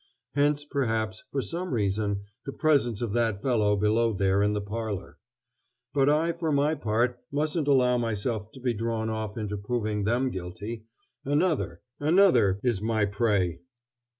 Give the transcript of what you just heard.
Hence, perhaps, for some reason, the presence of that fellow below there in the parlor. But I, for my part, mustn't allow myself to be drawn off into proving them guilty. Another, another, is my prey!"